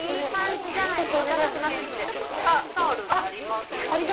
じゃあこちらタオルになりますので。